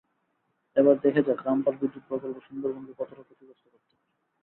এবার দেখা যাক, রামপাল বিদ্যুৎ প্রকল্প সুন্দরবনকে কতটা ক্ষতিগ্রস্ত করতে পারে।